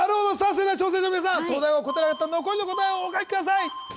それでは挑戦者の皆さん東大王答えなかった残りの答えをお書きください